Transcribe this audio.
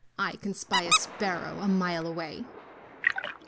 "I can spy a sparrow a mile away."